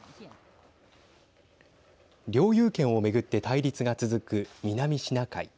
領有権を巡って対立が続く南シナ海。